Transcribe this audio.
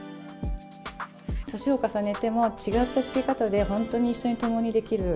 年を重ねても違ったつけ方で、本当に一生を共にできる。